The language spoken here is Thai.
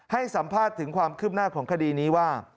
ให้สัมภาษณ์ถึงความคืบหน้าของคดีนี้ว่า